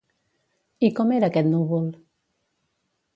I com era aquest núvol?